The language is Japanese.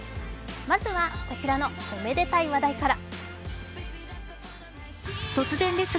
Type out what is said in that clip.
まずはこちらのおめでたい話題から。